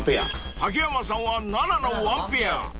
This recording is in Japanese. ［竹山さんは７のワンペア］